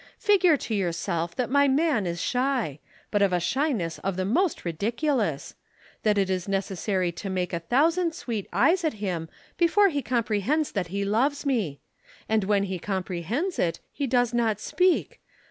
Figure to yourself that my man is shy but of a shyness of the most ridiculous that it is necessary to make a thousand sweet eyes at him before he comprehends that he loves me. And when he comprehends it, he does not speak.